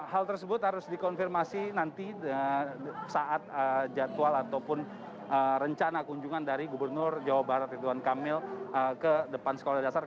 hal tersebut harus dikonfirmasi nanti saat jadwal ataupun rencana kunjungan dari gubernur jawa barat ridwan kamil ke depan sekolah dasar